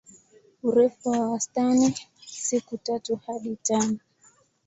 Urefu wa wastani siku tatu hadi tano.